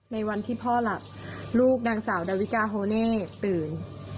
ในวันที่พ่อหลับลูกนางสาวดาวิกาโฮเน่ตื่น